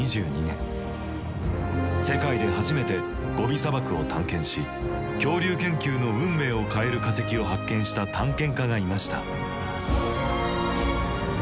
世界で初めてゴビ砂漠を探検し恐竜研究の運命を変える化石を発見した探検家がいました。